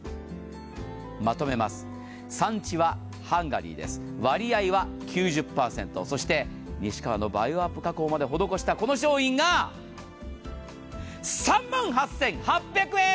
まとめます、産地はハンガリーです割合は９０％、そして西川のバイオアップ加工までほどこしたこの商品が３万８８００円！